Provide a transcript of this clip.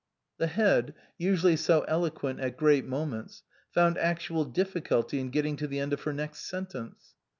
The Head, usually so eloquent at great moments, found actual difficulty in getting to the end of her next sentence.